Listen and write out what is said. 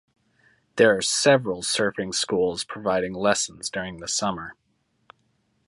There are several surfing schools providing lessons during the summer.